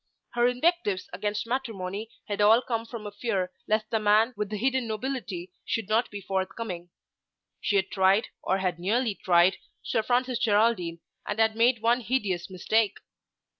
Her invectives against matrimony had all come from a fear lest the man with the hidden nobility should not be forthcoming. She had tried, or had nearly tried, Sir Francis Geraldine, and had made one hideous mistake.